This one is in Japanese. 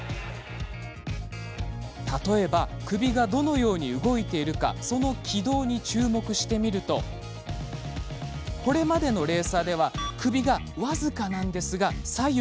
例えば首がどのように動いているかその軌道に注目してみるとこれまでのレーサーでは首が僅かなんですが左右に動いているんです。